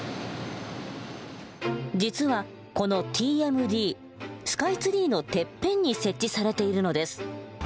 実はこのＴＭＤスカイツリーのてっぺんに設置されているのです。